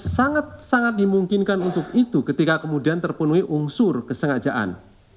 sangat sangat dimungkinkan untuk itu ketika kemudian terpenuhi unsur kesengajaan